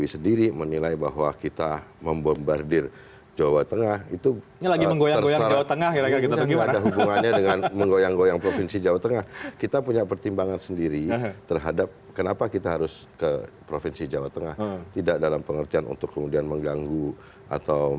sebelumnya prabowo subianto